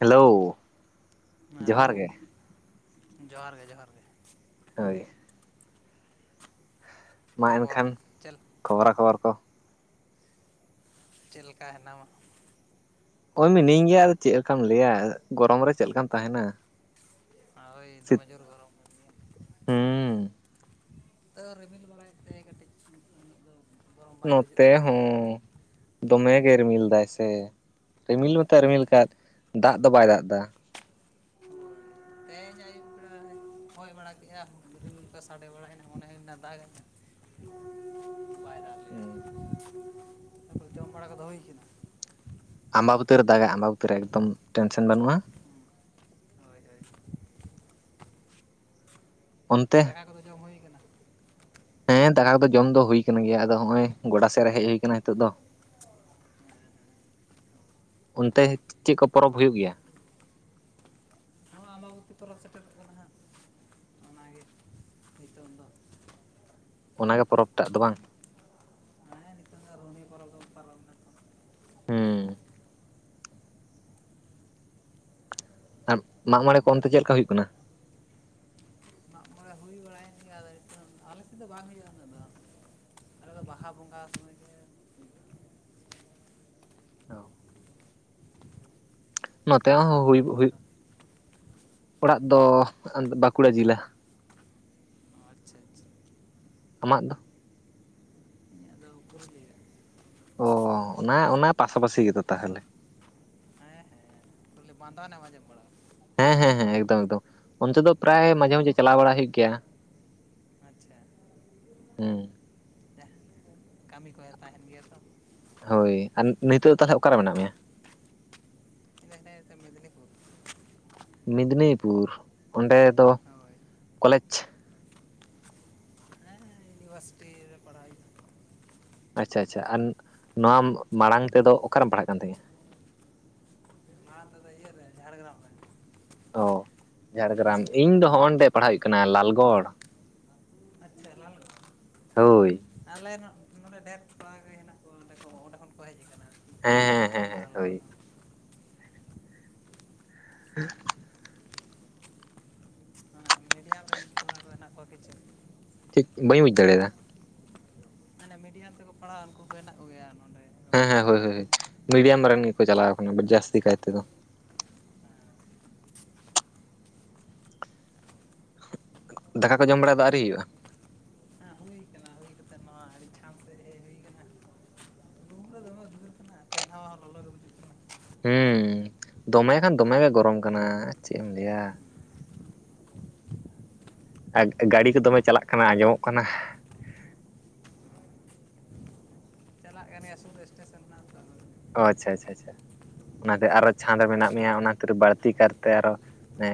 Hello ᱦᱮ hello ᱡᱚᱦᱟᱨ ᱜᱮ ᱡᱚᱦᱟᱨ ᱜᱮ ᱡᱚᱦᱟᱨ ᱜᱮ ᱦᱳᱭ ᱢᱟ ᱛᱟᱨᱯᱚᱨ ᱮᱱᱠᱷᱟᱱ ᱪᱮᱫ ᱠᱷᱚᱵᱨᱟ ᱠᱷᱚᱵᱚᱨ ᱠᱚ ᱪᱮᱫ ᱞᱮᱠᱟ ᱦᱮᱱᱟᱢᱟ ᱚ ᱢᱤᱱᱟᱹᱧ ᱜᱮᱭᱟ ᱟᱫᱚ ᱪᱮᱫ ᱞᱮᱠᱟᱢ ᱞᱟᱹᱭᱟ ᱜᱚᱨᱚᱢ ᱨᱮ ᱪᱮᱫ ᱞᱮᱠᱟᱢ ᱛᱟᱦᱮᱱᱟ ᱦᱳᱭ ᱥᱤᱛ ᱫᱚᱢᱮ ᱡᱳᱨ ᱜᱚᱨᱚᱢ ᱦᱩᱸ ᱛᱟᱹᱶ ᱨᱤᱢᱤᱞ ᱵᱟᱲᱟᱭᱮᱫ ᱛᱮ ᱠᱟᱹᱴᱤᱡ ᱩᱱᱟᱹᱜ ᱫᱚ ᱜᱚᱨᱚᱢ ᱵᱟᱭ ᱵᱩᱡᱷᱟᱹᱜ ᱱᱚᱛᱮ ᱠᱟᱱᱟ ᱦᱚᱸ ᱫᱚᱢᱮ ᱜᱮ ᱨᱤᱢᱤᱞ ᱫᱟᱭ ᱥᱮ ᱨᱤᱢᱤᱞ ᱢᱟᱛᱚ ᱨᱤᱢᱤᱞ ᱠᱟᱫ ᱫᱟᱜ ᱫᱚ ᱵᱟᱭ ᱫᱟᱜ ᱫᱟ ᱛᱮᱦᱮᱧ ᱟᱭᱩᱵ ᱵᱮᱲᱟ ᱦᱚᱭ ᱵᱟᱲᱟ ᱠᱮᱫᱮᱜᱼᱟ ᱨᱤᱢᱤᱞ ᱠᱚ ᱥᱟᱰᱮ ᱵᱟᱲᱟᱭᱮᱱᱟ ᱢᱚᱱᱮ ᱦᱳᱭᱱᱟ ᱫᱟᱜᱟᱭ [unintelligible] ᱩᱸ ᱛᱟᱯᱚᱨᱮ ᱡᱚᱢ ᱵᱟᱲᱟ ᱠᱚᱫᱚ ᱦᱳᱭ ᱠᱟᱱᱟ ᱟᱸᱢᱵᱟᱵᱩᱛᱟᱹ ᱨᱮ ᱫᱟᱜᱟᱭ ᱟᱸᱢᱵᱟᱵᱩᱛᱟᱹ ᱨᱮ ᱮᱠᱫᱚᱢ ᱴᱮᱱᱥᱮᱱ ᱵᱟᱹᱱᱩᱜᱼᱟ ᱦᱳᱭ ᱦᱳᱭ ᱚᱱᱛᱮ ᱫᱟᱠᱟ ᱠᱚᱫᱚ ᱡᱚᱢ ᱦᱳᱭ ᱟᱠᱟᱱᱟ ᱦᱮᱸ ᱫᱟᱠᱟ ᱠᱚᱫᱚ ᱡᱚᱢ ᱫᱚ ᱦᱩᱭ ᱠᱟᱱ ᱜᱮᱭᱟ ᱟᱫᱚ ᱦᱚᱸᱜᱼᱚᱭ ᱜᱚᱰᱟ ᱥᱮᱫ ᱨᱮ ᱦᱮᱡ ᱦᱩᱭ ᱠᱟᱱᱟ ᱦᱤᱛᱚᱜ ᱫᱚ [unintelligible] ᱚᱱᱛᱮ ᱪᱮᱫ ᱠᱚ ᱯᱚᱨᱚᱵᱽ ᱦᱳᱭᱳᱜ ᱜᱮᱭᱟ [unintelligible] ᱛᱤᱥ ᱯᱚᱨᱚᱵᱽ ᱥᱮᱴᱮᱨᱚᱜ ᱠᱟᱱᱟ ᱦᱟᱸᱜ ᱚᱱᱟᱜᱮ ᱱᱤᱛᱚᱝ ᱫᱚ ᱚᱱᱟᱜᱮ ᱯᱚᱨᱚᱵᱽᱴᱟᱜ ᱫᱚ ᱵᱟᱝ ᱯᱩᱨᱢᱤ ᱯᱚᱨᱚᱵᱽ ᱫᱚᱢ ᱯᱟᱞᱚᱢ ᱞᱮᱱᱠᱷᱟᱱ ᱩᱸ ᱢᱟᱜᱢᱚᱲᱮ ᱠᱚ ᱚᱱᱛᱮ ᱛᱚ ᱪᱮᱫ ᱞᱮᱠᱟ ᱦᱩᱭᱩᱜ ᱠᱟᱱᱟ ᱢᱟᱜ ᱢᱚᱬᱮ ᱦᱩᱭ ᱵᱟᱲᱟᱭᱮᱱ ᱜᱮᱭᱟ ᱟᱫᱚ ᱱᱤᱛᱚᱝ ᱟᱞᱮ ᱥᱮᱫ ᱫᱚ ᱵᱟᱝ ᱦᱩᱭᱩᱜᱼᱟ ᱩᱱᱟᱹᱜ ᱫᱚ ᱟᱞᱮ ᱫᱚ ᱵᱟᱦᱟ ᱵᱚᱸᱜᱟ ᱥᱚᱢᱚᱭ ᱜᱮ ᱚ ᱱᱚᱛᱮ ᱦᱚᱸ ᱚᱲᱟᱜ ᱛᱟᱢ ᱦᱩᱭᱩᱜ ᱫᱚ ᱦᱩᱭᱩᱜ ᱛᱟᱢ ᱚᱲᱟᱜ ᱫᱚ ᱵᱟᱸᱠᱩᱲᱟ ᱡᱤᱞᱟ ᱟᱪᱪᱷᱟ ᱟᱪᱪᱷᱟ ᱟᱢᱟᱜ ᱫᱚ [unintelligible] ᱚ ᱚᱱᱟ ᱚᱱᱟ ᱯᱟᱥᱟᱯᱟᱥᱤ ᱜᱮᱛᱚ ᱛᱟᱦᱚᱞᱮ ᱵᱟᱸᱫᱚᱶᱟᱱ ᱮᱢ ᱟᱡᱚᱢ ᱵᱟᱲᱟ ᱦᱮᱸ ᱦᱮᱸ ᱦᱮᱸ ᱮᱠᱫᱚᱢ ᱮᱠᱫᱚᱢ ᱚᱱᱛᱮ ᱫᱚ ᱯᱨᱟᱭ ᱢᱟᱡᱷᱮ ᱚ ᱢᱟᱡᱷᱮ ᱪᱟᱞᱟᱣ ᱵᱟᱲᱟ ᱦᱩᱭᱩᱜ ᱜᱮᱭᱟ ᱟᱪᱪᱷᱟ ᱦᱩᱸ ᱠᱟᱢᱤ ᱠᱚ ᱛᱟᱦᱮᱱ ᱜᱮᱭᱟ ᱛᱚ ᱦᱳᱭ ᱟᱨ ᱱᱤᱛᱚᱜ ᱛᱟᱦᱞᱮ ᱚᱠᱟᱨᱮ ᱢᱮᱱᱟᱜ ᱢᱮᱭᱟ ᱤᱧ ᱫᱚ ᱦᱤᱱᱟᱹᱧ ᱱᱤᱛᱚᱜ ᱢᱮᱫᱽᱱᱤᱯᱩᱨ ᱢᱤᱫᱱᱤᱯᱩᱨ ᱚᱸᱰᱮ ᱫᱚ ᱦᱳᱭ ᱠᱚᱞᱮᱡᱽ ᱦᱮᱸ ᱤᱭᱩᱱᱤᱵᱷᱟᱨᱥᱤᱴᱤ ᱨᱮ ᱯᱟᱲᱦᱟᱣ ᱦᱩᱭᱩᱜ ᱟ ᱟᱪᱪᱷᱟ ᱟᱪᱪᱷᱟ ᱟᱨ ᱱᱚᱣᱟ ᱢᱟᱲᱟᱝ ᱛᱮᱫᱚ ᱚᱠᱟᱨᱮᱢ ᱯᱟᱲᱦᱟᱜ ᱠᱟᱱ ᱛᱟᱸᱦᱮᱡ ᱟ ᱢᱟ ᱛᱚᱵᱮ ᱤᱭᱟ. ᱨᱮ ᱡᱷᱟᱲᱜᱨᱟᱢ ᱨᱮ ᱚ ᱡᱷᱟᱲᱜᱨᱟᱢ ᱚᱸᱰᱮ ᱠᱷᱚᱱ ᱤᱧᱫᱚ ᱠᱚ ᱦᱚᱜᱼᱚᱭ ᱱᱚᱸᱰᱮ ᱯᱟᱲᱦᱟᱣ ᱦᱩᱭᱩᱜ ᱠᱟᱱᱟ ᱞᱟᱞᱜᱚᱲ ᱟᱪᱪᱷᱟ ᱞᱟᱞᱜᱚᱲ ᱦᱳᱭ ᱟᱞᱮ ᱱᱚᱝ ᱱᱚᱸᱰᱮ ᱰᱷᱮᱨ ᱠᱚᱲᱟ ᱠᱚ ᱜᱮ ᱦᱮᱱᱟᱜ ᱠᱚᱣᱟ ᱚᱸᱰᱮ ᱠᱚ ᱚᱸᱰᱮ ᱠᱷᱚᱱ ᱠᱚ ᱦᱮᱡ ᱟᱠᱟᱱᱟ ᱦᱮᱸ ᱦᱮᱸ ᱦᱮᱸ ᱦᱮᱸ ᱞᱟᱞᱜᱚᱲ ᱦᱳᱭ ᱠᱷᱚᱱ [unintelligible] ᱚᱱᱟ ᱢᱤᱰᱤᱭᱟᱢ ᱨᱮᱱ ᱠᱚᱲᱟ ᱠᱚ ᱦᱮᱱᱟᱜ ᱠᱚᱣᱟ ᱠᱤᱪᱷᱩ ᱴᱷᱤᱠ ᱵᱟᱹᱧ ᱵᱩᱡᱽ ᱫᱟᱲᱮᱭᱟᱫᱟ ᱦᱟᱱᱮ ᱢᱤᱰᱤᱭᱟᱢ ᱛᱮᱠᱚ ᱯᱟᱲᱦᱟᱜᱼᱟ ᱩᱱᱠᱩ ᱠᱚ ᱦᱮᱱᱟᱜ ᱠᱚᱜᱮᱭᱟ ᱱᱚᱸᱰᱮ ᱦᱮᱸ ᱦᱮᱸ ᱦᱳᱭ ᱦᱳᱭ ᱢᱤᱰᱤᱭᱟᱢ ᱨᱮᱱ ᱜᱮᱠᱚ ᱪᱟᱞᱟᱣ ᱠᱟᱱᱟ ᱡᱟᱹᱥᱛᱤ ᱠᱟᱭ ᱛᱮᱫᱚ ᱫᱟᱠᱟ ᱠᱚ ᱡᱚᱢ ᱵᱟᱲᱟᱭ ᱫᱚ ᱟᱹᱣᱨᱤ ᱦᱩᱭᱩᱜᱼᱟ ᱦᱮᱸ ᱦᱩᱭ ᱠᱟᱱᱟ ᱦᱩᱭ ᱠᱟᱛᱮᱫ ᱱᱚᱣᱟ ᱟᱹᱰᱤ ᱪᱷᱟᱸᱫᱽ ᱥᱮᱫ ᱦᱮᱡ ᱦᱩᱭ ᱠᱟᱱᱟ ᱨᱩᱢ ᱨᱮ ᱫᱚᱢᱮ ᱩᱫᱽᱜᱟᱹᱨ ᱠᱟᱱᱟ ᱯᱷᱮᱱ ᱦᱟᱣᱟ ᱦᱚᱸ ᱞᱚᱞᱚ ᱜᱮ ᱵᱩᱡᱩᱜ ᱠᱟᱱᱟ ᱦᱮᱸ ᱫᱚᱢᱮ ᱠᱷᱟᱱ ᱫᱚᱢᱮ ᱜᱮ ᱜᱚᱨᱚᱢ ᱠᱟᱱᱟ ᱪᱮᱫ ᱮᱢ ᱞᱟᱹᱭᱟ ᱜᱟᱹᱰᱤ ᱠᱚ ᱫᱚᱢᱮ ᱪᱟᱞᱟᱜ ᱠᱟᱱᱟ ᱟᱸᱡᱚᱢᱚᱜ ᱠᱟᱱᱟ ᱪᱟᱞᱟᱜ ᱠᱟᱱ ᱜᱮᱭᱟ ᱥᱩᱨ ᱨᱮ ᱥᱴᱮᱥᱚᱱ ᱢᱮᱱᱟᱜ ᱟ ᱛᱚ ᱟᱪᱪᱷᱟ ᱟᱪᱪᱷᱟ ᱟᱪᱪᱷᱟ ᱚᱱᱟᱛᱮ ᱟᱨᱚ ᱪᱷᱟᱸᱫᱽ ᱨᱮ ᱢᱮᱱᱟᱜ ᱢᱮᱭᱟ ᱚᱱᱟᱛᱮ ᱵᱟᱹᱲᱛᱤ ᱠᱟᱨᱛᱮ ᱟᱨᱚ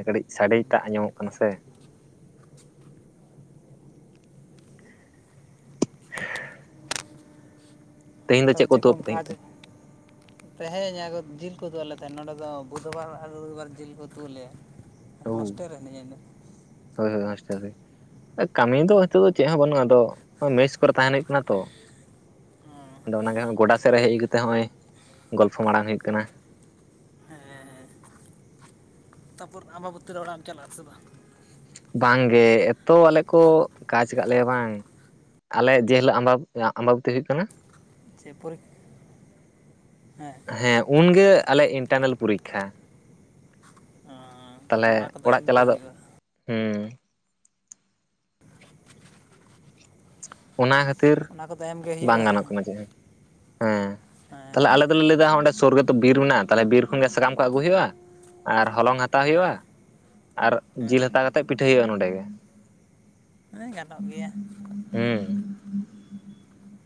ᱠᱟᱹᱴᱤᱡ ᱥᱟᱰᱮᱴᱟᱜ ᱟᱸᱡᱚ ᱢᱚᱜ ᱠᱟᱱᱟ ᱥᱮ [inaudible] [inaudible] ᱛᱮᱦᱮᱧ ᱫᱚ ᱪᱮᱫ ᱠᱚ ᱩᱛᱩ ᱟᱜ ᱯᱮ ᱛᱟᱸᱦᱤᱸᱫ ᱛᱮ ᱛᱮᱧ ᱡᱤᱞ ᱠᱚ ᱩᱛᱩ ᱟᱞᱮ ᱛᱟᱦᱮᱸ ᱱᱚᱸᱰᱮ ᱫᱚ ᱵᱩᱫᱷᱵᱟᱨ ᱟᱨ ᱨᱚᱵᱤᱵᱟᱨ ᱡᱤᱞ ᱠᱚ ᱩᱛᱩ ᱟᱞᱮᱭᱟ ᱳ ᱦᱚᱥᱴᱮᱞ ᱨᱮ ᱦᱤᱱᱟ. ᱧ ᱟ ᱤᱱᱟᱹ ᱦᱳᱭ ᱦᱳᱭ ᱠᱟᱹᱢᱤ ᱫᱚ ᱱᱤᱛᱳᱜ ᱫᱚ ᱪᱮᱫ ᱦᱚᱸ ᱵᱟᱹᱱᱩᱜᱼᱟ ᱟᱫᱚ ᱢᱮᱥ ᱠᱚᱨᱮ ᱛᱟᱦᱮᱱ ᱦᱩᱭᱩᱜ ᱠᱟᱱᱟ ᱛᱚ ᱚ ᱟᱫᱚ ᱚᱱᱟᱜᱮ ᱜᱚᱰᱟ ᱥᱮᱫ ᱨᱮ ᱦᱮᱡ ᱠᱟᱛᱮᱜ ᱱᱚᱜᱼᱚᱭ ᱜᱚᱞᱯᱷᱚ ᱢᱟᱲᱟᱝ ᱦᱩᱭᱩᱜ ᱠᱟᱱᱟ ᱦᱮᱸ ᱦᱮᱸ ᱛᱟᱨᱯᱚᱨ ᱟᱢᱵᱟᱵᱚᱛᱤ ᱨᱮ ᱚᱲᱟᱜ ᱮᱢ ᱪᱟᱞᱟᱜᱼᱟ ᱥᱮ ᱵᱟᱝ ᱵᱟᱝᱜᱮ ᱮᱛᱚ ᱟᱞᱮ ᱠᱚ ᱠᱟᱡᱽ ᱠᱟᱜ ᱞᱮᱭᱟ ᱵᱟᱝ ᱟᱞᱮ ᱡᱮ ᱦᱤᱞᱳᱜ ᱟᱢᱵᱟ ᱟᱢᱵᱟᱵᱚᱛᱤ ᱦᱩᱭᱩᱜ ᱠᱟᱱᱟ ᱪᱮ ᱯᱚᱨᱤᱠᱷᱟ ᱦᱮᱸ ᱩᱱᱜᱮ ᱟᱞᱮ ᱤᱱᱴᱟᱨᱱᱮᱞ ᱯᱚᱨᱤᱠᱷᱟ ᱛᱟᱦᱚᱞᱮ ᱚᱱᱟ ᱠᱚᱫᱚ ᱚᱲᱟᱜ ᱮᱢᱜᱮ ᱪᱟᱞᱟᱣ ᱫᱚ ᱦᱩᱭᱩᱜᱼᱟ ᱦᱮᱸ ᱚᱱᱟ ᱠᱷᱟᱹᱛᱤᱨ ᱚᱱᱟ ᱠᱚᱫᱚ ᱮᱢᱜᱮ ᱵᱟᱝ ᱦᱩᱭᱩᱜᱼᱟ ᱜᱟᱱᱚᱜ ᱠᱟᱱᱟ ᱪᱮᱫ ᱦᱚᱸ ᱦᱮᱸ ᱛᱟᱦᱚᱞᱮ ᱟᱞᱮ ᱦᱮᱸ ᱫᱚᱞᱮ ᱞᱟᱹᱭ ᱫᱟ ᱚᱸᱰᱮ ᱥᱩᱨ ᱨᱮᱛᱚ ᱵᱤᱨ ᱢᱮᱱᱟᱜᱼᱟ ᱛᱟᱦᱞᱮ ᱵᱤᱨ ᱠᱷᱚᱱᱜᱮ ᱥᱟᱠᱟᱢ ᱠᱚ ᱟᱹᱜᱩ ᱦᱩᱭᱩᱜᱼᱟ ᱟᱨ ᱦᱚᱞᱚᱝ ᱦᱟᱛᱟᱣ ᱦᱩᱭᱩᱜᱼᱟ ᱦᱮᱸ ᱟᱨ ᱡᱤᱞ ᱦᱮᱸ ᱦᱟᱛᱟᱣ ᱠᱟᱛᱮᱮᱫ ᱯᱤᱴᱷᱟᱹ ᱦᱩᱭᱩᱜᱼᱟ ᱱᱚᱸᱰᱮ ᱜᱮ ᱟᱱ ᱜᱟᱱᱚᱜ ᱜᱮᱭᱟ ᱦᱮᱸ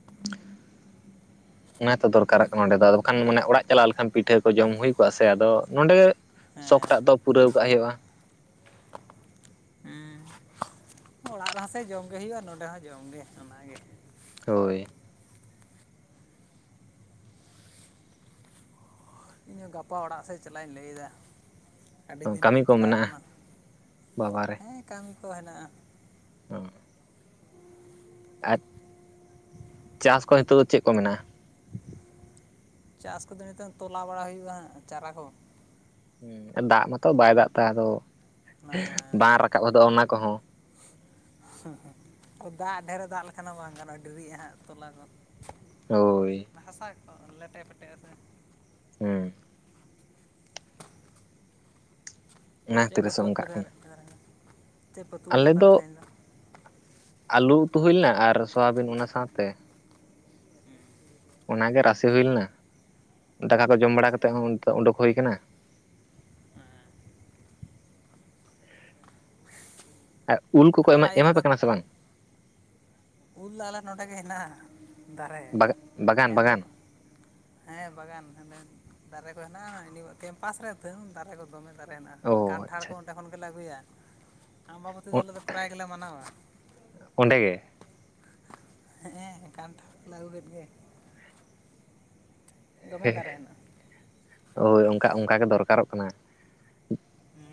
ᱚᱱᱟ ᱛᱚ ᱫᱚᱨᱠᱟᱨᱚᱜ ᱠᱟᱱᱟ ᱱᱚᱸᱰᱮ ᱫᱚ ᱵᱟᱠᱷᱟᱱ ᱢᱟᱱᱮ ᱚᱲᱟᱜ ᱪᱟᱞᱟᱣ ᱞᱮᱱᱠᱷᱟᱱ ᱯᱤᱴᱷᱟᱹ ᱠᱚ ᱡᱚᱢ ᱦᱩᱭ ᱠᱚᱜᱼᱟ ᱥᱮ ᱟᱫᱚ ᱱᱚᱸᱰᱮ ᱦᱮᱸ ᱥᱚᱠᱴᱟᱜ ᱫᱚ ᱯᱩᱨᱟᱹᱣ ᱠᱟᱜ ᱦᱩᱭᱩᱜᱼᱟ ᱦᱮᱸ ᱚᱲᱟᱜ ᱨᱮᱦᱚᱸ ᱥᱮ ᱡᱚᱢᱜᱮ ᱦᱩᱭᱩᱜᱼᱟ ᱱᱚᱸᱰᱮ ᱦᱚᱸ ᱡᱚᱢᱜᱮ ᱚᱱᱟᱜᱮ ᱦᱳᱭ ᱤᱧ ᱦᱚᱸ ᱜᱟᱯᱟ ᱚᱲᱟᱜ ᱥᱮᱫ ᱪᱟᱞᱟᱜ ᱤᱧ ᱞᱟᱹᱭᱮᱫᱟ ᱟᱹᱰᱤ ᱫᱤᱱ ᱠᱟᱹᱢᱤ ᱵᱟᱹᱧ ᱠᱚ ᱪᱟᱞᱟᱣ ᱢᱮᱱᱟᱜᱼᱟ ᱠᱟᱱᱟ ᱵᱟᱵᱟᱨᱮ ᱦᱮᱸ ᱠᱟᱹᱢᱤ ᱠᱚ ᱦᱮᱱᱟᱜᱼᱟ ᱚᱸ ᱟᱨ ᱪᱟᱥ ᱠᱚ ᱱᱤᱛᱚᱜ ᱫᱚ ᱪᱮᱫ ᱠᱚ ᱢᱮᱱᱟᱜᱼᱟ ᱪᱟᱥ ᱠᱚᱫᱚ ᱱᱤᱛᱚᱝ ᱛᱚᱞᱟ ᱵᱟᱲᱟ ᱦᱩᱭᱩᱜᱼᱟ ᱦᱟᱜ ᱪᱟᱨᱟ ᱠᱚ ᱦᱮᱸ ᱫᱟᱜ ᱢᱟᱛᱚ ᱵᱟᱭ ᱫᱟᱜ ᱛᱟᱦᱮᱸ ᱟᱫᱚ ᱦᱮᱸ ᱵᱟᱝ ᱨᱟᱠᱟᱵ ᱜᱚᱫᱚᱜᱼᱟ ᱚᱱᱟ ᱠᱚᱦᱚᱸ ᱦᱩᱸ ᱫᱟᱜ ᱰᱷᱮᱨᱮ ᱫᱟᱜ ᱞᱮᱠᱷᱟᱱ ᱫᱚ ᱵᱟᱝ ᱜᱟᱱᱚᱜᱼᱟ ᱰᱮᱨᱤᱜᱼᱟ ᱦᱟᱸᱜ ᱛᱚᱞᱟ ᱜᱚᱫ ᱦᱳᱭ ᱚ ᱞᱮᱴᱮ ᱯᱮᱴᱮ ᱟ ᱥᱮ ᱦᱮᱸ ᱚᱱᱟ ᱪᱮᱫ ᱠᱷᱟᱹᱛᱤᱨ ᱠᱚ ᱥᱮ ᱛᱩᱣᱟᱫ ᱯᱮ ᱚᱱᱠᱟᱜ ᱠᱟᱱᱟ ᱛᱟᱦᱮᱱᱟ ᱪᱮᱫ ᱯᱮ ᱩᱛᱩ ᱞᱮᱫᱟ ᱛᱟᱦᱞᱮ ᱛᱟᱦᱮᱸᱧ ᱫᱚ ᱟᱹᱞᱩ ᱩᱛᱩ ᱦᱩᱭ ᱞᱮᱱᱟ ᱟᱨ ᱥᱳᱣᱟᱵᱤᱱ ᱚᱱᱟ ᱥᱟᱶᱛᱮ ᱚᱱᱟᱜᱮ ᱨᱟᱥᱮ ᱦᱩᱭ ᱞᱮᱱᱟ ᱫᱟᱠᱟ ᱠᱚ ᱡᱚᱢ ᱵᱟᱲᱟ ᱟᱪᱪᱷᱟ ᱠᱟᱛᱮᱮᱫ ᱦᱚᱸ ᱚᱱᱛᱮ ᱩᱰᱩᱠ ᱦᱩᱭ ᱠᱟᱱᱟ ᱟᱨ ᱟᱨ ᱩᱞ ᱠᱚᱠᱚ ᱮᱢᱟ ᱱᱚᱣᱟ ᱤᱭᱟᱹ ᱮᱢᱟᱯᱮ ᱨᱮᱫᱚ ᱠᱟᱱᱟ ᱥᱮ ᱵᱟᱝ ᱩᱞ ᱫᱚ ᱚᱞᱮ ᱚᱰᱮᱜᱮ ᱦᱮᱱᱟᱜᱼᱟ ᱫᱟᱨᱮ ᱵᱟᱜᱟᱱ ᱮᱢ ᱫᱚ ᱵᱟᱜᱟᱱ ᱵᱟᱜᱟᱱ ᱫᱟᱨᱮ ᱠᱚ ᱦᱮᱱᱟᱜᱼᱟ ᱠᱮᱢᱯᱟᱥ ᱨᱮ ᱫᱟᱨᱮ ᱠᱚ ᱫᱚᱢᱮ ᱫᱟᱨᱮ ᱦᱮᱱᱟᱜᱼᱟ ᱚ ᱠᱟᱱᱴᱷᱟᱲ ᱠᱚ ᱟᱪᱪᱷᱟ ᱚᱸᱰᱮ ᱠᱷᱚᱱᱜᱞᱮ ᱟᱹᱜᱩᱭᱟ ᱟᱢᱵᱟᱵᱚᱛᱤ ᱫᱚ ᱟᱞᱮ ᱫᱚ ᱯᱨᱟᱭ ᱜᱮᱞᱮ ᱢᱟᱱᱟᱣᱟ ᱚᱸᱰᱮ ᱜᱮ ᱦᱮᱸ ᱠᱟᱱᱴᱷᱟᱲ ᱠᱚᱞᱮ ᱟᱹᱜᱩ ᱠᱮᱫ ᱜᱮ ᱫᱚᱢᱮ ᱫᱟᱨᱮ ᱦᱮᱱᱟᱜ-ᱟ ᱦᱳᱭ ᱚᱱᱠᱟ ᱚᱱᱠᱟᱜᱮ ᱫᱚᱨᱠᱟᱨᱚᱜ ᱠᱟᱱᱟ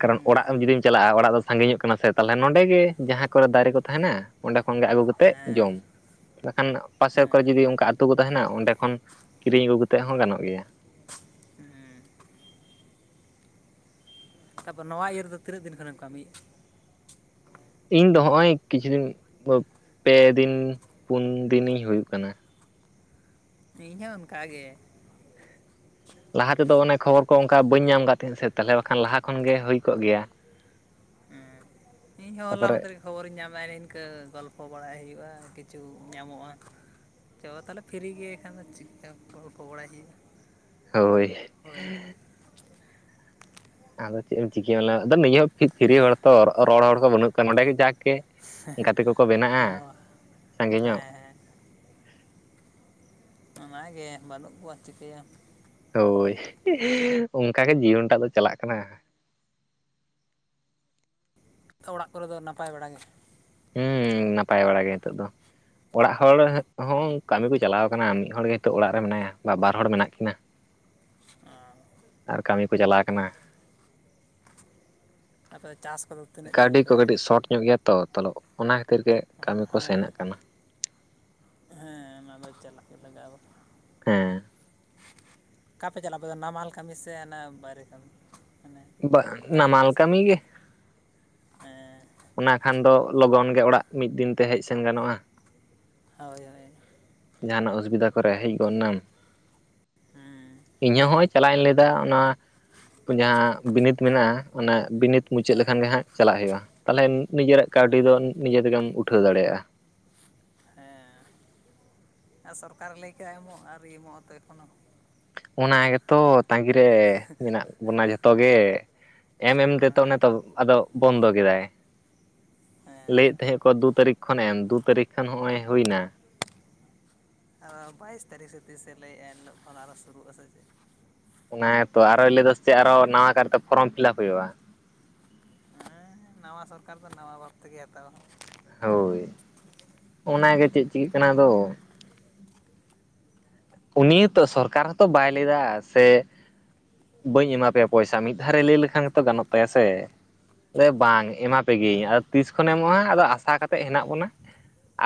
ᱠᱟᱨᱚᱱ ᱚᱲᱟᱜ ᱡᱩᱫᱤᱢ ᱪᱟᱞᱟᱜᱼᱟ ᱚᱲᱟᱜ ᱫᱚ ᱥᱟᱺᱜᱤᱧᱚᱜ ᱠᱟᱱᱟ ᱥᱮ ᱛᱟᱦᱚᱞᱮ ᱱᱚᱸᱰᱮ ᱜᱮ ᱡᱟᱦᱟᱸ ᱠᱚᱨᱮ ᱫᱟᱨᱮ ᱠᱚ ᱛᱟᱦᱮᱱᱟ ᱚᱸᱰᱮ ᱠᱷᱚᱱ ᱟᱹᱜᱩ ᱠᱟᱛᱮᱮᱫ ᱦᱮᱸ ᱡᱚᱢ ᱵᱟᱠᱷᱟᱱ ᱯᱟᱥᱮᱨ ᱠᱚᱨᱮ ᱦᱮᱸ ᱡᱩᱫᱤ ᱚᱱᱠᱟᱛ ᱠᱚ ᱛᱟᱦᱮᱱᱟ ᱚᱸᱰᱮ ᱠᱷᱚᱱ ᱠᱤᱨᱤᱧ ᱟᱹᱜᱩ ᱛᱮ ᱦᱚᱸ ᱜᱟᱱᱚᱜ ᱜᱮᱭᱟ ᱦᱮᱸ ᱛᱟᱨᱯᱚᱨᱮ ᱱᱚᱣᱟ ᱤᱭᱟᱹ ᱨᱮᱫᱚ ᱛᱤᱱᱟᱹᱜ ᱫᱤᱱ ᱠᱷᱚᱱᱮᱢ ᱠᱟᱹᱢᱤᱭᱮᱫᱼᱟ ᱤᱧ ᱫᱚ ᱱᱚᱜᱼᱚᱭ ᱠᱤᱪᱷᱩ ᱫᱤᱱ ᱯᱮ ᱫᱤᱱ ᱯᱩᱱ ᱫᱤᱱᱤᱧ ᱦᱩᱭᱩᱜ ᱠᱟᱱᱟ ᱤᱧᱦᱚᱸ ᱚᱱᱠᱟᱜᱮ ᱞᱟᱦᱟ ᱛᱮᱫᱚ ᱚᱱᱮ ᱠᱷᱚᱵᱚᱨ ᱠᱚ ᱚᱱᱠᱟ ᱵᱟᱹᱧ ᱧᱟᱢ ᱠᱫ ᱛᱟᱦᱮᱸᱫ ᱥᱮ ᱛᱟᱦᱚᱞᱮ ᱵᱟᱠᱷᱟᱱ ᱞᱟᱦᱟ ᱠᱷᱚᱱᱜᱮ ᱦᱩᱭ ᱠᱚᱜ ᱜᱮᱭᱟ ᱦᱸ ᱤᱧᱦᱚᱸ ᱦᱚᱞᱟ ᱢᱚᱛ ᱛᱟᱯᱚᱨᱮ ᱨᱮᱜᱮ ᱠᱷᱚᱵᱚᱨᱤᱧ ᱧᱟᱢ ᱮᱫᱟᱮ ᱱᱤᱤᱱᱠᱟᱹ ᱜᱚᱞᱯᱷᱚ ᱵᱟᱲᱟᱭ ᱦᱩᱭᱩᱜᱼᱟ ᱠᱤᱪᱷᱩ ᱧᱟᱢᱚᱜᱼᱟ ᱪᱚ ᱛᱟᱦᱚᱞᱮ ᱯᱷᱨᱤ ᱜᱮ ᱮ ᱠᱷᱟᱱ ᱫᱚ ᱪᱮᱫ ᱠᱟ ᱜᱚᱞᱯᱷᱚ ᱵᱟᱲᱟᱭ ᱦᱩᱭᱩᱜᱼᱟ ᱦᱳᱭ ᱦᱳᱭ ᱟᱫᱚ ᱪᱮᱫ ᱮᱢ ᱪᱤᱠᱟᱹᱭᱟᱮ ᱟᱫᱚ ᱱᱤᱭᱟᱹ ᱦᱚᱸ ᱯᱷᱮᱨᱤ ᱦᱚᱲ ᱛᱚ ᱨᱚᱲ ᱦᱚᱲ ᱠᱚ ᱵᱟᱹᱱᱩᱜ ᱠᱚᱣᱟ ᱱᱚᱸᱰᱮ ᱜᱮ ᱡᱟᱠ ᱦᱮᱸ ᱜᱟᱛᱮ ᱠᱚᱠᱚ ᱵᱮᱱᱟᱜᱼᱟ ᱥᱟᱸᱜᱮ ᱧᱚᱜ ᱦᱮᱸ ᱚᱱᱟᱜᱮ ᱵᱟᱹᱱᱩᱜ ᱠᱚᱣᱟ ᱪᱤᱠᱟᱹᱭᱟᱢ ᱦᱳᱭ ᱚᱱᱠᱟᱜᱮ ᱡᱤᱭᱚᱱᱴᱟᱜ ᱫᱚ ᱪᱟᱞᱟᱜ ᱠᱟᱱᱟ [inaudible] ᱛᱚ ᱚᱲᱟᱜ ᱠᱚᱨᱮ ᱫᱚ ᱱᱟᱯᱟᱭ ᱵᱟᱲᱟᱜᱮ ᱦᱮᱸ ᱱᱟᱯᱟᱭ ᱵᱟᱲᱟ ᱜᱮ ᱱᱤᱛᱚᱜ ᱫᱚ ᱚᱲᱟᱜ ᱦᱚᱲ ᱦᱚᱸ ᱠᱟᱹᱢᱤ ᱠᱚ ᱪᱟᱞᱟᱣ ᱠᱟᱱᱟ ᱢᱤᱫ ᱦᱚᱲᱜᱮ ᱱᱤᱛᱚᱜ ᱚᱲᱟᱜ ᱨᱮ ᱢᱮᱱᱟᱭᱟ ᱵᱟ ᱵᱟᱨ ᱦᱚᱲ ᱢᱮᱱᱟᱜ ᱠᱤᱱᱟᱹ [inaudible] ᱟᱨ ᱠᱟᱹᱢᱤ ᱠᱚ ᱪᱟᱟᱞᱣ ᱠᱟᱱᱟ ᱟᱯᱮ ᱫᱚ ᱪᱟᱥ ᱠᱚᱫᱚ ᱛᱤᱱᱟᱹᱜ ᱡᱷᱟᱹᱞ ᱠᱟᱹᱣᱰᱤ ᱠᱚ ᱯᱮ ᱠᱟᱹᱴᱤᱡ ᱥᱚᱴ ᱧᱚᱜ ᱜᱮᱭᱟ ᱛᱚ ᱛᱚᱞᱚ ᱚᱱᱟ ᱠᱷᱟᱹᱛᱤᱨ ᱜᱮ ᱠᱟᱹᱢᱤ ᱠᱚ ᱦᱮᱸ ᱥᱮᱱᱚᱜ ᱠᱟᱱᱟ ᱦᱮᱸ ᱚᱱᱟ ᱫᱚ ᱪᱟᱞᱟᱜ ᱜᱮ ᱞᱟᱜᱟᱜ-ᱟ ᱦᱮᱸ ᱚᱠᱟᱯᱮ ᱪᱟᱞᱟᱜ ᱟᱯᱮ ᱱᱟᱢᱟᱞ ᱠᱟᱹᱢᱤ ᱥᱮ ᱚᱱᱟ ᱵᱟᱭᱨᱮ ᱠᱟᱹᱢᱤ ᱢᱟᱱᱮ ᱵᱟ ᱮᱴᱟᱜ ᱤᱭᱟᱹ ᱱᱟᱢᱟᱞ ᱥᱮᱱ ᱠᱟᱢᱤ ᱜᱮ ᱦᱮᱸ ᱚᱱᱟ ᱠᱷᱟᱱ ᱫᱚ ᱞᱚᱜᱚᱱ ᱜᱮ ᱚᱲᱟᱜ ᱢᱤᱫ ᱫᱤᱱᱛᱮ ᱦᱮᱡ ᱥᱮᱱ ᱜᱟᱱᱚᱜᱼᱟ ᱦᱳᱭ ᱦᱳᱭ ᱡᱟᱦᱟᱱᱟᱜ ᱚᱥᱩᱵᱤᱫᱟ ᱠᱚᱨᱮ ᱦᱮᱡ ᱜᱚᱫ ᱱᱟᱢ ᱦᱮᱸ ᱤᱧ ᱦᱚᱸ ᱦᱚᱸ ᱚᱭ ᱪᱟᱞᱟᱣᱤᱧ ᱞᱟᱹᱭᱫᱟ ᱚᱱᱟ ᱡᱟᱦᱟᱸ ᱵᱤᱱᱤᱰ ᱢᱮᱱᱟᱜᱼᱟ ᱚᱱᱟ ᱵᱤᱱᱤᱛ ᱢᱩᱪᱟᱹᱫ ᱦᱮᱸ ᱞᱮᱠᱷᱟᱱ ᱜᱮ ᱦᱟᱸᱜ ᱪᱟᱞᱟᱜ ᱦᱩᱭᱩᱜᱼᱟ ᱛᱟᱦᱚᱞᱮ ᱱᱤᱡᱮᱨᱟᱜ ᱠᱟᱹᱣᱰᱤ ᱫᱚ ᱦᱮᱸ ᱱᱤᱡᱮ ᱛᱮᱜᱮᱢ ᱩᱴᱷᱟᱹᱣ ᱫᱟᱲᱮᱭᱟᱜᱼᱟ ᱦᱮᱸ ᱟᱨ ᱥᱚᱨᱠᱟᱨ ᱞᱟᱹᱭᱠᱟᱜ ᱮᱢᱚᱜ ᱟᱹᱨᱤ ᱮᱢᱚᱜ ᱟᱛᱮᱠᱷ ᱦᱚᱸ ᱚᱱᱟ ᱜᱮᱛᱚ ᱛᱟᱺᱜᱤᱮ ᱢᱮᱱᱟᱜ ᱵᱚᱱᱟ ᱡᱚᱛᱚ ᱛᱚᱜᱮ ᱮᱢ ᱮᱢ ᱛᱮᱛᱚ ᱚᱱᱮ ᱦᱮᱸ ᱛᱚ ᱟᱫᱚ ᱵᱚᱱᱫᱚ ᱠᱮᱫᱟᱭ ᱦᱮᱸ ᱞᱟᱹᱭᱮᱫ ᱛᱟᱦᱮᱸ ᱠᱚ ᱫᱩ ᱛᱟᱹᱨᱤᱠᱷ ᱠᱷᱚᱱ ᱮᱢ ᱫᱩ ᱛᱟᱹᱨᱤᱠᱷ ᱠᱷᱚᱱ ᱦᱚᱸᱜᱼᱚᱭ ᱦᱩᱭᱱᱟ ᱟᱨ ᱵᱟᱭᱤᱥ ᱛᱟᱹᱨᱤᱠᱷ ᱨᱮ ᱛᱤᱥᱮ ᱞᱟᱹᱭᱮᱫᱼᱟ ᱮᱤᱞᱳᱜ ᱠᱷᱚᱱ ᱟᱨᱚ ᱥᱩᱨᱩᱜ ᱟᱥᱮ ᱪᱮᱫ ᱚᱱᱟ ᱛᱚ ᱟᱨᱚᱭᱭ ᱞᱟᱹᱭᱮᱫᱟ ᱪᱮᱫ ᱟᱨᱚ ᱱᱟᱣᱟ ᱠᱟᱨᱛᱮ ᱯᱷᱚᱨᱚᱢ ᱯᱷᱤᱞᱟᱯ ᱦᱩᱭᱩᱜᱼᱟ ᱦᱮᱸ ᱱᱟᱣᱟ ᱥᱚᱨᱠᱟᱨ ᱫᱚ ᱱᱟᱣᱟ ᱵᱟᱷᱟᱵ ᱛᱮᱜᱮ ᱦᱟᱛᱟᱣᱟ ᱦᱳᱭ ᱚᱱᱟᱜᱮ ᱪᱮᱫ ᱪᱤᱠᱟᱹᱜ ᱠᱟᱱᱟᱫᱚ ᱩᱱᱤ ᱛᱚ ᱥᱚᱨᱠᱟᱨ ᱦᱚᱸᱛᱚ ᱵᱟᱭ ᱞᱟᱹᱭᱟ ᱥᱮ ᱵᱟᱹᱧ ᱮᱢᱟ ᱯᱮᱭᱟ ᱯᱚᱭᱥᱟ ᱢᱤᱫ ᱫᱷᱟᱣ ᱨᱮ ᱞᱟᱹᱭ ᱞᱮᱠᱷᱟᱱ ᱜᱮᱛᱚ ᱜᱟᱱᱚᱜ ᱛᱟᱭᱟ ᱥᱮ ᱵᱟᱝ ᱮᱢᱟ ᱯᱮᱜᱤᱭᱟᱹᱭᱧ ᱟᱫᱚ ᱛᱤᱥ ᱠᱷᱚᱱᱮ ᱮᱢᱚᱜᱼᱟ ᱟᱫᱚ ᱟᱥᱟ ᱠᱟᱛᱮᱜ ᱦᱮᱱᱟᱜ ᱵᱚᱱᱟ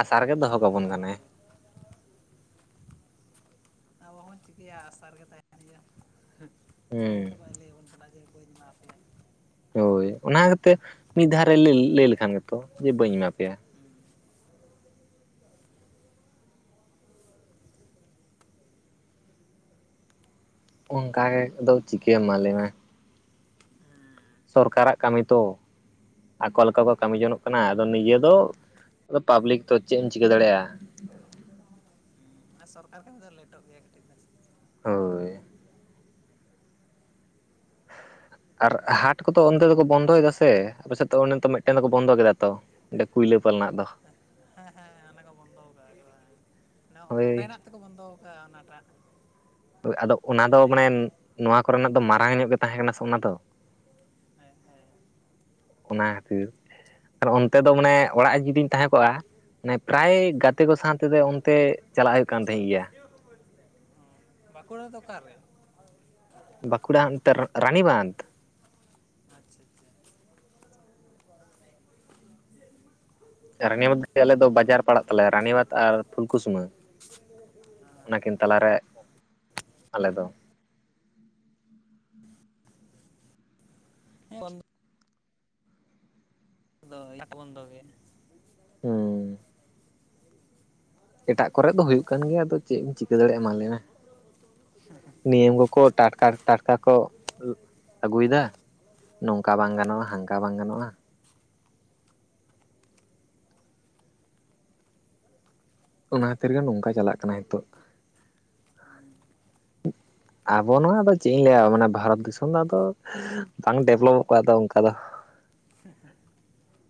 ᱟᱥᱟ ᱨᱮᱜᱮ ᱫᱚᱦᱚ ᱦᱮᱸ ᱠᱟᱵᱚᱱ ᱡᱚᱛᱚ ᱠᱟᱱᱟᱭ ᱦᱚᱲᱜᱮ [inaudible] ᱢᱚ ᱪᱤᱠᱟᱹᱭᱟ ᱟᱥᱟᱨ ᱨᱮᱜᱮ ᱛᱟᱦᱮ ᱜᱮᱭᱟ ᱦᱩᱸ ᱞᱟᱹᱭ ᱛ ᱞᱟᱹᱭ ᱟᱵᱚᱱ ᱵᱟᱲ ᱯᱷᱤᱨ ᱠᱚᱭ ᱫᱤᱱᱟ [inaudible] ᱦᱳᱭ ᱚᱱᱟᱛᱮ ᱢᱤᱫ ᱫᱷᱟᱣ ᱨᱮ ᱞᱟᱹᱭ ᱞᱮᱠᱷᱟᱱ ᱜᱮᱛᱚ ᱡᱮ ᱵᱟᱹᱧ ᱮᱢᱟ ᱯᱮᱭᱟ ᱚᱱᱠᱟ ᱜᱮᱫᱚ ᱪᱤᱠᱟᱹᱭ ᱮᱢᱟᱞᱮ ᱢᱮ ᱥᱚᱨᱠᱟᱨᱟᱜ ᱠᱟᱹᱢᱤ ᱛᱚ ᱟᱠᱚ ᱞᱮᱠᱟ ᱠᱚ ᱠᱟᱹᱢᱤ ᱡᱚᱱᱚᱜ ᱠᱟᱱᱟ ᱟᱫᱚ ᱱᱤᱡᱮ ᱫᱚ ᱟᱫᱚ ᱯᱟᱵᱽᱞᱤᱠ ᱫᱚᱚ ᱪᱮᱫ ᱮᱢ ᱪᱤᱠᱟᱹ ᱫᱟᱲᱮᱭᱟᱜᱼᱟ ᱟᱨ ᱥᱚᱨᱠᱟᱨ ᱠᱷᱚᱱ ᱫᱚ ᱞᱮᱴᱚᱜ ᱜᱮᱭᱟ ᱠᱟᱹᱴᱤᱡ ᱫᱚ ᱦᱳᱭ ᱟᱨ ᱦᱟᱴ ᱠᱚᱫᱚ ᱚᱱᱛᱮ ᱫᱚᱠᱚ ᱵᱚᱱᱫᱚᱭᱮᱫᱟ ᱥᱮ ᱟᱯᱮᱥᱮᱪ ᱛᱚ ᱚᱱᱚ ᱢᱤᱫᱴᱮᱱ ᱫᱚᱠᱚ ᱵᱚᱱᱫᱚ ᱠᱮᱫᱟ ᱛᱚᱰᱮ ᱠᱩᱭ ᱛᱞᱟᱹᱯᱟᱞᱱᱟᱜ ᱫᱚ ᱦᱮᱸ ᱦᱮᱸ ᱚᱱᱟ ᱠᱚ ᱵᱚᱱᱫᱚ ᱠᱟᱜ ᱦᱳᱭ ᱚᱸᱰᱮᱱᱟᱜ ᱛᱮᱠᱚ ᱵᱚᱱᱫᱚ ᱟᱠᱟᱟᱜᱼᱟ ᱚᱱᱟᱴᱟᱜ ᱟᱫᱚ ᱚᱱᱟ ᱫᱚ ᱮᱱ ᱟᱭ ᱢᱟᱱᱮ ᱮᱢ ᱱᱚᱣᱟ ᱠᱚᱨᱮᱱᱟᱜ ᱫᱚ ᱢᱟᱨᱟᱝ ᱧᱚᱜ ᱜᱮ ᱛᱟᱦᱮᱸ ᱠᱟᱱᱟ ᱥᱮ ᱚᱱᱟ ᱫᱚ ᱦᱮᱸ ᱦᱮᱸ ᱚᱱᱟ ᱠᱷᱟᱹᱛᱤᱨ ᱟᱨ ᱚᱱᱛᱮ ᱫᱚ ᱢᱟᱱᱮ ᱚᱲᱟᱜ ᱡᱩᱫᱤᱧ ᱛᱟᱦᱮᱸ ᱠᱚᱜᱼᱟ ᱢᱟᱱᱮ ᱯᱨᱟᱭ ᱜᱟᱛᱮ ᱠᱚ ᱥᱟᱶ ᱛᱮᱫᱚ ᱚᱱᱛᱮ ᱪᱟᱞᱟᱜ ᱦᱩᱭᱩᱜ ᱠᱟᱱ ᱛᱟᱦᱮᱸᱫ ᱜᱮᱭᱟ ᱵᱟᱸᱠᱩᱲᱟ ᱫᱚ ᱚᱠᱟᱨ ᱨᱮ ᱵᱟᱸᱠᱩᱲᱟ ᱨᱟᱱᱤᱵᱟᱸᱫᱷ ᱟᱪᱪᱷᱟ ᱟᱪᱪᱷᱟ ᱨᱟᱱᱤᱵᱟᱫᱽ ᱜᱮ ᱟᱞᱮ ᱫᱚ ᱵᱟᱡᱟᱨ ᱯᱟᱲᱟᱜ ᱛᱟᱞᱮᱭᱟ ᱨᱟᱱᱤᱵᱟᱫᱽ ᱟᱨ ᱯᱷᱩᱞᱠᱩᱥᱢᱟᱹ ᱚᱱᱟᱠᱤᱱ ᱛᱟᱞᱟᱨᱮ ᱟᱞᱮ ᱫᱚ [inaudible] ᱵᱫᱚ [unintelligible] ᱫᱚ ᱮ ᱵᱚᱱᱫᱚ ᱜᱮ ᱦᱮᱸ ᱮᱴᱟᱜ ᱠᱚᱨᱮᱜ ᱫᱚ ᱦᱩᱭᱩᱜ ᱠᱟᱱ ᱜᱮᱭᱟ ᱟᱫᱚ ᱪᱮᱫ ᱮᱢ ᱪᱤᱠᱟᱹ ᱫᱟᱲᱮᱭᱟᱜ ᱢᱟ ᱞᱟᱹᱭ ᱢᱮ᱾ ᱱᱤᱭᱚᱢ ᱠᱚᱠᱚ ᱴᱟᱴᱠᱟ ᱴᱟᱴᱠᱟ ᱠᱚ ᱟᱹᱜᱩᱭᱮᱫᱟ᱾ ᱱᱚᱝᱠᱟ ᱵᱟᱝ ᱜᱟᱱᱚᱜᱼᱟ ᱦᱟᱱᱠᱟ ᱵᱟᱝ ᱜᱟᱱᱚᱜᱼᱟ᱾ ᱚᱱᱟ ᱠᱷᱟᱹᱛᱤᱨ ᱜᱮ ᱱᱚᱝᱠᱟ ᱪᱟᱞᱟᱜ ᱠᱟᱱᱟ ᱱᱤᱛᱚᱜ᱾ [inaudible] ᱟᱵᱚ ᱱᱚᱣᱟ ᱫᱚ ᱪᱮᱫ ᱤᱧ ᱞᱟᱹᱭᱟ ᱢᱟᱱᱮ ᱵᱷᱟᱨᱚᱛ ᱫᱤᱥᱚᱢ ᱫᱚ ᱟᱫᱚ ᱵᱟᱝ ᱰᱮᱵᱷᱞᱚᱯᱚ-ᱟᱜ ᱫᱚ ᱚᱱᱠᱟ ᱫᱚ ᱦᱮᱸ ᱦᱮᱸ [unintelligible]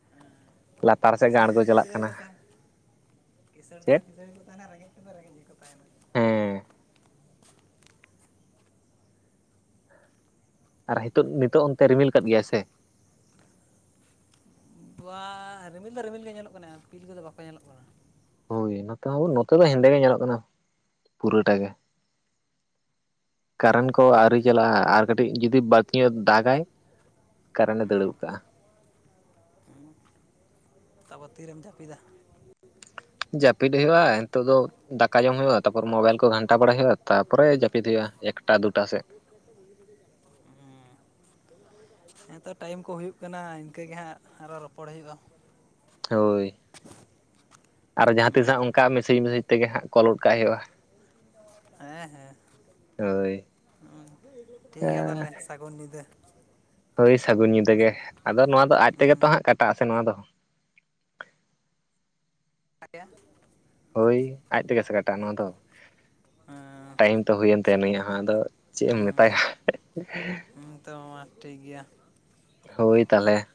ᱞᱟᱛᱟᱨ ᱥᱮᱫ ᱜᱟᱲᱜ ᱪᱟᱞᱟᱜ ᱠᱟᱱᱟ᱾ ᱜᱮᱠᱚ ᱛᱟᱦᱮᱱᱟ ᱠᱤᱥᱟᱹᱬ ᱛᱫᱚ ᱪᱮᱫ ᱠᱤᱥᱟᱹᱬ ᱜᱮᱠᱚ ᱛᱟᱦᱮᱸᱱᱟ ᱨᱮᱸᱜᱮᱡ ᱛᱮᱫ ᱨᱮᱸᱜᱮᱡ ᱜᱮᱠᱚ ᱛᱟᱦᱮᱸᱱᱟ᱾ ᱦᱮᱸ ᱟᱨ ᱱᱤᱛᱳᱜ ᱱᱤᱛᱳᱜ ᱚᱱᱛᱮ ᱨᱤᱢᱤᱞ ᱟᱠᱫ ᱜᱮᱭᱟᱭ ᱥᱮ? ᱨᱤᱢᱤᱞ ᱫᱚ ᱨᱤᱢᱤᱞ ᱜᱮ ᱧᱮᱞᱚᱜ ᱠᱟᱱᱟ ᱯᱤᱞ ᱠᱚᱫᱚ ᱵᱟᱠᱚ ᱧᱮᱞᱚᱜ ᱠᱟᱱᱟ᱾ ᱦᱳᱭ ᱱᱚᱛᱮ ᱦᱚᱸ ᱱᱚᱝᱠᱟ ᱜᱮ ᱦᱮᱸᱫᱮ ᱜᱮ ᱧᱮᱞᱚᱜ ᱠᱟᱱᱟ ᱯᱩᱨᱟᱹᱴᱟ ᱜᱮ ᱠᱟᱨᱮᱱᱴ ᱠᱚ ᱟᱹᱣᱨᱤ ᱪᱟᱞᱟᱜᱼᱟ ᱟᱨ ᱠᱟᱹᱴᱤᱡ ᱡᱩᱫᱤ ᱵᱟᱹᱲᱛᱤ ᱧᱚᱜ ᱫᱟᱜᱟᱭ ᱠᱟᱨᱚᱱᱮ ᱫᱟᱹᱲ ᱜᱚ ᱠᱟᱜᱼᱟ᱾ ᱛᱟᱨᱯᱚᱨ ᱛᱤᱨᱮᱢ ᱡᱟᱹᱯᱤᱫᱟ? ᱡᱟᱯᱤᱫ ᱦᱩᱭᱩᱜᱼᱟ ᱱᱤᱛᱳ ᱫᱚ ᱫᱟᱠᱟ ᱡᱚᱢ ᱡᱟᱹᱯᱤᱫ ᱦᱩᱭᱩᱜᱼᱟ ᱱᱤᱛᱚᱜ ᱫᱚ ᱫᱟᱠᱟ ᱡᱚᱢ ᱦᱩᱭᱩᱜ-ᱟ ᱛᱟᱯᱚᱨ ᱢᱳᱵᱟᱭᱤᱞ ᱠᱚ ᱜᱷᱟᱱᱴᱟ ᱵᱟᱲᱟᱭ ᱦᱩᱭᱩᱜᱼᱟ ᱛᱟᱯᱚᱨᱮ ᱡᱟᱹᱯᱤᱫ ᱦᱩᱭᱩᱜᱼᱟ᱾ ᱮᱠᱴᱟ ᱫᱩᱴᱟ ᱥᱮᱫ᱾ ᱦᱩᱸ ᱦᱮᱸᱛᱚ ᱴᱟᱭᱤᱢ ᱠᱚ ᱦᱩᱭᱩᱜ ᱠᱟᱱᱟ ᱤᱱᱠᱟᱹᱮ ᱦᱟᱸᱜ ᱟᱨᱚ ᱨᱚᱯᱚᱲ ᱦᱩᱭᱩᱜᱼᱟ ᱦᱳᱭ ᱟᱨ ᱡᱟᱦᱟᱸ ᱛᱤᱥ ᱦᱟᱸᱜ ᱚᱱᱠᱟ ᱢᱮᱥᱮᱡᱽ ᱢᱮᱥᱮᱡᱽ ᱛᱮᱜᱮ ᱦᱟᱸᱜ ᱠᱚᱞ ᱜᱚᱜ ᱠᱟᱜ ᱦᱩᱭᱩᱜᱼᱟ᱾ ᱦᱮᱸ ᱦᱮᱸ ᱦᱳᱭ ᱴᱷᱤᱠ ᱜᱮᱭᱟ ᱛᱟᱦᱞᱮ ᱥᱟᱹᱜᱩᱱ ᱧᱤᱫᱟᱹ᱾ ᱦᱳᱭ ᱥᱟᱹᱜᱩᱱ ᱧᱤᱫ ᱜᱮ ᱟᱫᱚ ᱱᱚᱣᱟ ᱫᱚ ᱟᱡ ᱛᱮᱜᱮ ᱦᱮᱸ ᱛᱚ ᱦᱟᱸᱜ ᱠᱟᱴᱟᱜ ᱟ᱾ ᱱᱚᱣᱟ ᱫᱚ ᱫᱭᱟ [unintelligible] ᱦᱳᱭ ᱟᱡ ᱛᱮᱜᱮ ᱥᱟ ᱠᱟᱴᱟᱜ-ᱟ ᱱᱚᱣᱟ ᱫᱚ ᱴᱟᱭᱤᱢ ᱛᱚ ᱦᱩᱭᱮᱱ ᱛᱟᱭᱟ ᱱᱩᱤᱭᱟᱜ ᱦᱚᱸ ᱟᱫᱚ ᱪᱮᱫ ᱮᱢ ᱢᱮᱛᱟᱭᱟ᱾ ᱦᱮᱸ ᱛᱚ ᱢᱟ ᱴᱷᱤᱠ ᱜᱮᱭᱟ ᱦᱳᱭ ᱛᱟᱦᱚᱞᱮ